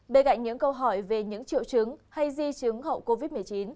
bên cạnh những câu hỏi về những triệu chứng hay di chứng hậu covid một mươi chín